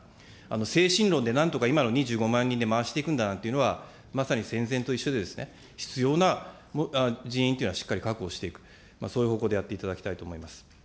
精神論で、なんとか今の２５万人で回していくんだなんていうのは、まさに戦前と一緒で、必要な人員というのはしっかり確保していく、そういう方向でやっていただきたいと思います。